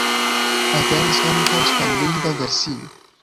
Aperis ankaŭ hispanlingva versio.